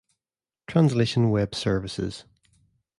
Translation Web Services.